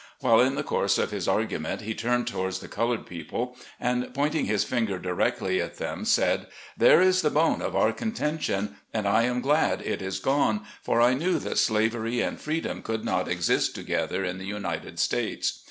While in the course of his argument he turned toward the colored people, 102 SLAVS CABIN TO PULPIT. and pointing his finger directly at them said, "There is the bone of our contention, and I am glad it is gone, for I knew that slavery and freedom could not exist together in the United States.